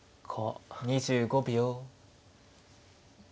２５秒。